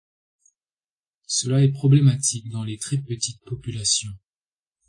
Cela est problématique dans les très petites populations.